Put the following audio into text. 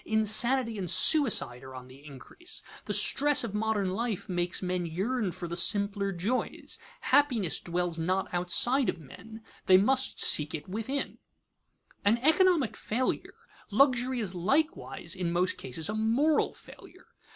Insanity and suicide are on the increase. The stress of modern life makes men yearn for the simpler joys. Happiness dwells not outside of men; they must seek it within. [Sidenote: Luxury vs. social welfare] An economic failure, luxury is likewise in most cases a moral failure.